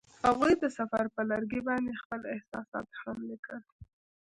هغوی د سفر پر لرګي باندې خپل احساسات هم لیکل.